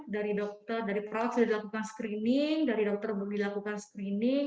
dari dokter dari perawat sudah dilakukan screening dari dokter belum dilakukan screening